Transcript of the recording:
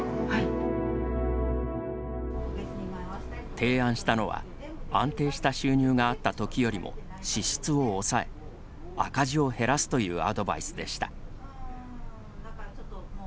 提案したのは安定した収入があったときよりも支出を抑え赤字を減らすというアドバイスでした。